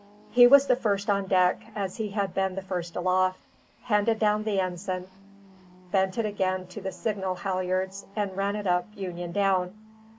He was the first on deck, as he had been the first aloft, handed down the ensign, bent it again to the signal halliards, and ran it up union down.